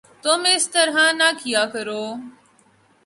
تم اس طرح نہ کیا کرو